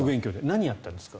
何やったんですか？